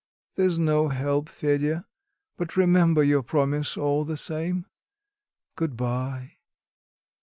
There's no help, Fedya; but remember your promise all the same. Good bye."